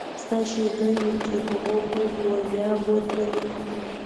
ستا ښېګڼې وي چې هغو خلکو وړیا بوتللې.